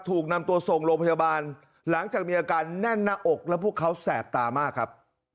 ถูกนำตัวส่งโรงพยาบาลหลังจากมีอาการแน่นหน้าอกแล้วพวกเขาแสบตามากครับ